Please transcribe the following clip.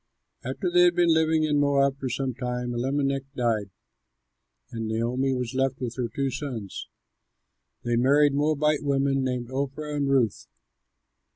After they had been living in Moab for some time, Elimelech died, and Naomi was left with her two sons. They married Moabite women, named Orpah and Ruth.